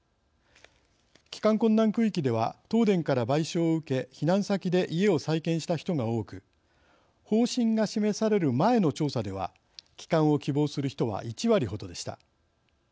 帰還困難区域では東電から賠償を受け避難先で家を再建した人が多く方針が示される前の調査では帰還を希望する人は１割ほどでした。